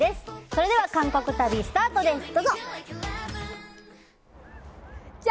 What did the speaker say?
それでは、韓国旅スタートです！